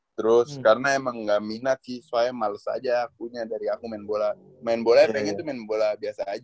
terus karena emang gak minat sih soalnya males aja akunya dari aku main bola main bola pengen itu main bola biasa aja